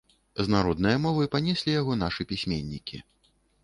З народнае мовы панеслі яго нашы пісьменнікі.